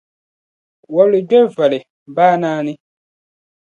Wabili gbiri voli, baa naani.